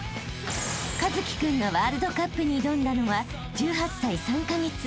［一輝君がワールドカップに挑んだのは１８歳３カ月］